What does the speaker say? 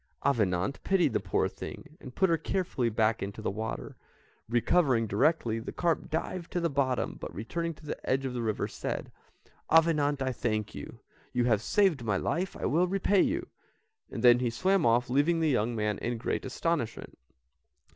Avenant pitied the poor thing, and put her carefully back into the water. Recovering directly, the carp dived to the bottom, but returning to the edge of the river, said, "Avenant, I thank you; you have saved my life, I will repay you;" then she swam off leaving the young man in great astonishment.